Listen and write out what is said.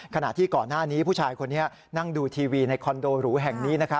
ขณะที่ก่อนหน้านี้ผู้ชายคนนี้นั่งดูทีวีในคอนโดหรูแห่งนี้